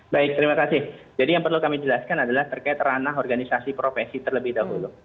baik terima kasih jadi yang perlu kami jelaskan adalah terkait ranah organisasi profesi terlebih dahulu